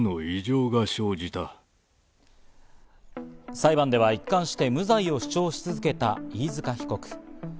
裁判では一貫して無罪を主張し続けた飯塚被告。